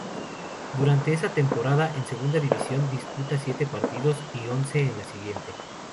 Durante esa temporada, en Segunda División, disputa siete partidos, y once en la siguiente.